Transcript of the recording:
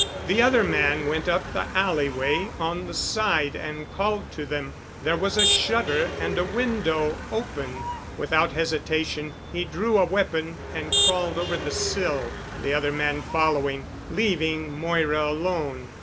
The other man went up the alley way on the side and called to them. There was a shutter and a window open. Without hesitation, he drew a weapon and crawled over the sill, the other man following, leaving Moira alone.